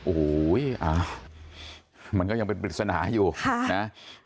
โอ้โหมันก็ยังเป็นปริศนาอยู่นะ